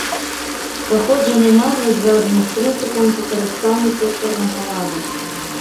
Паходжанне назвы звязана з прынцыпам выкарыстання сектарнага лага.